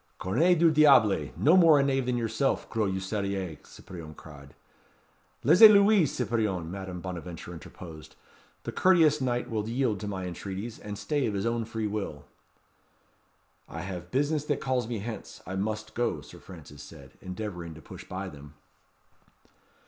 "Cornes du diable! no more a knave than yourself, gros usurier!" Cyprien cried. "Laissez lui, Cyprien," Madame Bonaventure interposed; "the courteous knight will yield to my entreaties, and stay of his own free will." "I have business that calls me hence. I must go," Sir Francis said, endeavouring to push by them.